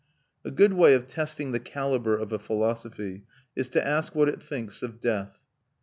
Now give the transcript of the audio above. A good way of testing the calibre of a philosophy is to ask what it thinks of death.